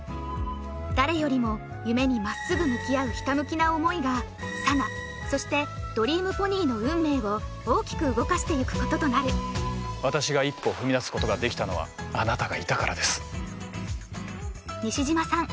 誰よりも夢にまっすぐ向き合うひたむきな思いが佐奈そしてドリームポニーの運命を大きく動かしていくこととなる私が一歩踏み出すことができたのはあなたがいたからです西島さん